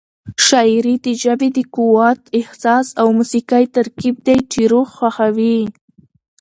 شاعري د ژبې د قوت، احساس او موسيقۍ ترکیب دی چې روح خوښوي.